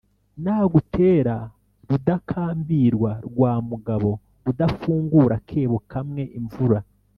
Nagutera Rudakambirwa rwa mugabo udafungura akebo kamwe-Imvura.